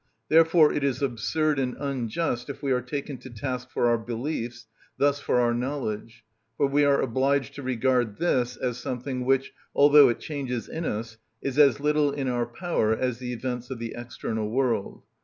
Therefore it is absurd and unjust if we are taken to task for our beliefs, thus for our knowledge: for we are obliged to regard this as something which, although it changes in us, is as little in our power as the events of the external world.